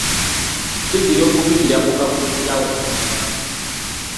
Kizira okubuukira muka kkojjaawo mu mulyango.